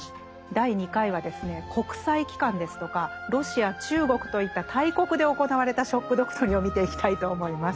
第２回はですね国際機関ですとかロシア中国といった大国で行われた「ショック・ドクトリン」を見ていきたいと思います。